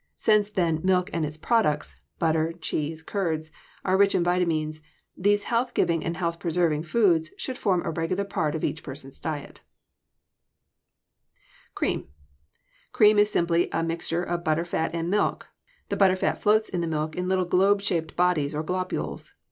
Since, then, milk and its products butter, cheese, curds are rich in vitamines, these health giving and health preserving foods should form a regular part of each person's diet. [Illustration: FIG. 270. AIRING THE CANS] =Cream.= Cream is simply a mixture of butter fat and milk. The butter fat floats in the milk in little globe shaped bodies, or globules.